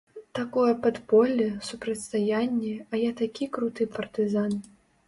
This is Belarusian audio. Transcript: Такое падполле, супрацьстаянне, а я такі круты партызан.